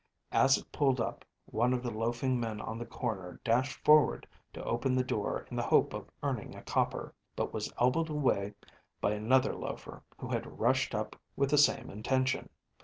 As it pulled up, one of the loafing men at the corner dashed forward to open the door in the hope of earning a copper, but was elbowed away by another loafer, who had rushed up with the same intention.